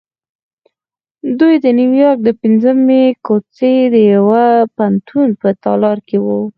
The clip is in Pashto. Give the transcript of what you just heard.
دوی د نیویارک د پنځمې کوڅې د یوه پوهنتون په تالار کې وو